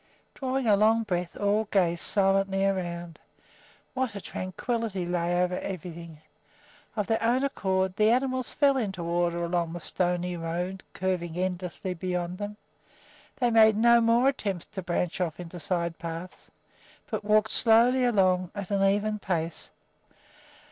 Drawing a long breath, all gazed silently around. What a tranquillity lay over everything! Of their own accord the animals fell into order along the stony road curving endlessly beyond them. They made no more attempts to branch off into side paths, but walked slowly along at an even pace.